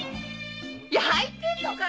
焼いてんのかい？